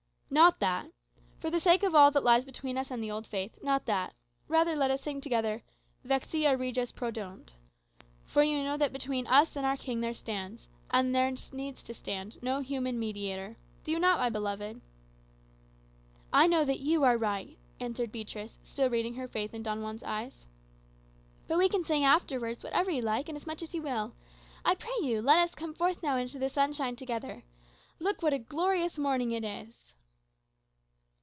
"Not that. For the sake of all that lies between us and the old faith, not that. Rather let us sing together, 'Vexill Regis prodeunt.' For you know that between us and our King there stands, and there needs to stand, no human mediator. Do you not, my beloved?" "I know that you are right," answered Beatrix, still reading her faith in Don Juan's eyes. "But we can sing afterwards, whatever you like, and as much as you will. I pray you let us come forth now into the sunshine together. Look, what a glorious morning it is!"